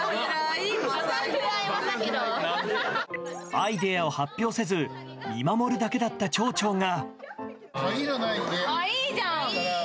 アイデアを発表せず見守るだけだった町長が。